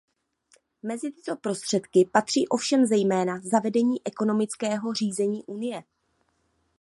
Mezi tyto prostředky patří ovšem zejména zavedení ekonomického řízení Unie.